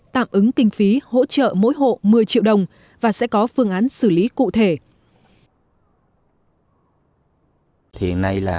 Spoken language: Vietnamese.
tạm ứng kinh phí hỗ trợ mỗi hộ một mươi triệu đồng và sẽ có phương án xử lý cụ thể